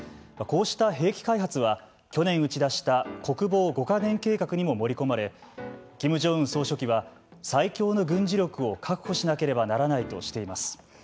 こうした兵器開発は去年打ち出した国防５か年計画にも盛り込まれキム・ジョンウン総書記は最強の軍事力を確保しなければならないとしています。